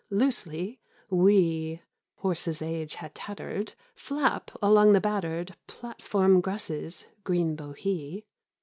Loosely, wee Horses age had tattered Flap along the battered Platform grasses (green Bohea).